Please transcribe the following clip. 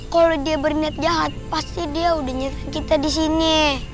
kalau dia berniat jahat pasti dia udah nyerang kita di sini